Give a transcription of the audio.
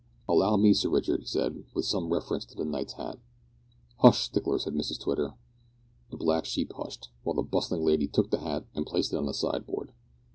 "Allow me, Sir Richard," he said, with some reference to the knight's hat. "Hush, Stickler!" said Mrs Twitter. The black sheep hushed, while the bustling lady took the hat and placed it on the sideboard.